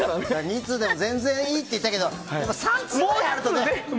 ２通でも全然いいって言ったけど３通くらいあるとね。